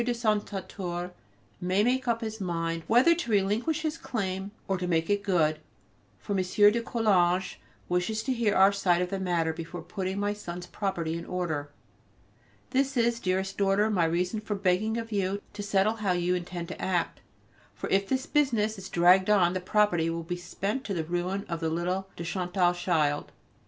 de Saint Satur may make up his mind either to relinquish his claim or to make it good: for M. de Coulanges wishes to hear our side of the matter before putting my son's property in order. This is, dearest daughter, my reason for begging of you to settle how you intend to act, for if this business is dragged on, the property will be spent to the ruin of the little de Chantal child.